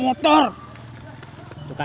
nanti kita mau tugas